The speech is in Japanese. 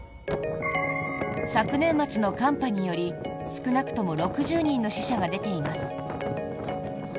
昨年末の寒波により少なくとも６０人の死者が出ています。